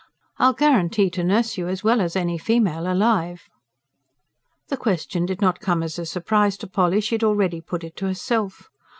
I'll guarantee to nurse you as well as any female alive." The question did not come as a surprise to Polly; she had already put it to herself.